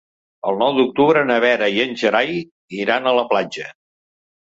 El nou d'octubre na Vera i en Gerai iran a la platja.